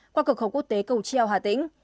qua cửa khẩu quốc tế cầu treo hà tĩnh